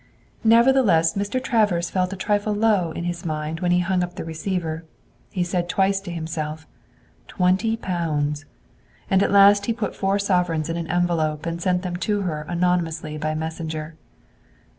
Nevertheless, Mr. Travers felt a trifle low in his mind when he hung up the receiver. He said twice to himself: "Twenty pounds!" And at last he put four sovereigns in an envelope and sent them to her anonymously by messenger.